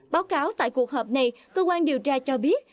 báo cáo tại cuộc họp này cơ quan điều tra cho biết